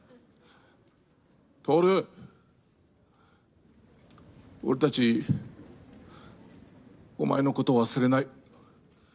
徹、俺たち、お前のこと忘れない。